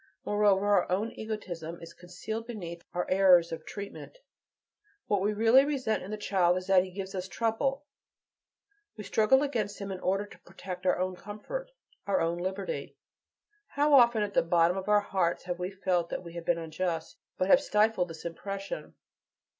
Moreover, our own egotism is concealed beneath our errors of treatment; what we really resent in the child is that he gives us trouble; we struggle against him in order to protect our own comfort, our own liberty. How often at the bottom of our hearts we have felt that we have been unjust, but have stifled this impression.